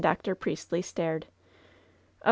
Dr. Priestly stared. "Oh!